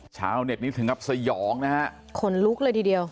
ชาวเน็ตนี้ถึงกับสยองนะฮะขนลุกเลยทีเดียว